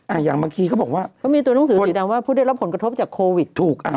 อ่ะอย่างเมื่อกี้เขาก็บอกว่า